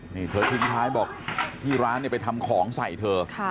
นี่เธอทิ้งท้ายบอกที่ร้านเนี่ยไปทำของใส่เธอ